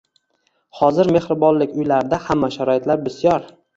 Hozir mehribonlik uylarida hamma sharoitlar bisyor.